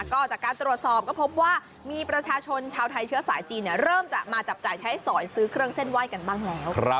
ก็จากการตรวจสอบก็พบว่ามีประชาชนชาวไทยเชื้อสายจีนเริ่มจะมาจับจ่ายใช้สอยซื้อเครื่องเส้นไหว้กันบ้างแล้ว